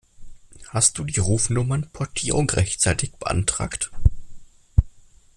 Hast du die Rufnummernportierung rechtzeitig beantragt?